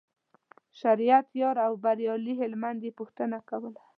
شریعت یار او بریالي هلمند یې پوښتنه کوله.